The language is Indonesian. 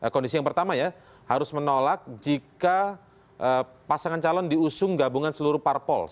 kondisi yang pertama ya harus menolak jika pasangan calon diusung gabungan seluruh parpol